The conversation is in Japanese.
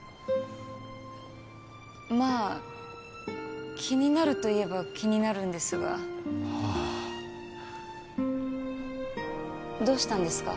まあ気になると言えば気になるんですがはあどうしたんですか？